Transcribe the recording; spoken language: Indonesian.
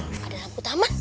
ada lampu taman